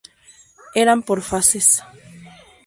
Eran por faces.